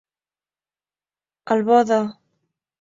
Al bo de.